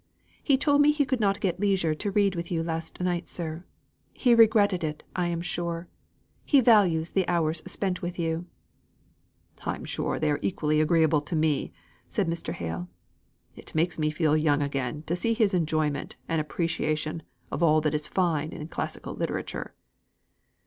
He told me he could not get leisure to read with you last night, sir. He regretted it, I am sure; he values the hours spent with you." "I am sure they are equally agreeable to me," said Mr. Hale. "It makes me feel young again to see his enjoyment and appreciation of all that is fine in classical literature."